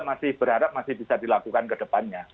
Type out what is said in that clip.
masih berharap masih bisa dilakukan kedepannya